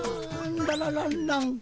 ララランラン。